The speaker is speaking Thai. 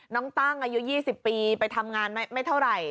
ตั้งอายุ๒๐ปีไปทำงานไม่เท่าไหร่